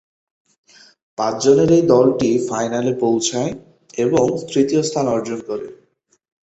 পাঁচজনের এই দলটি ফাইনালে পৌছায় এবং তৃতীয় স্থান অর্জন করে।